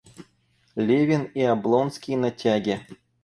Левин и Облонский на тяге.